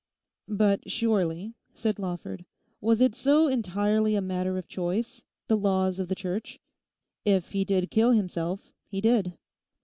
'But, surely,' said Lawford, 'was it so entirely a matter of choice—the laws of the Church? If he did kill himself, he did.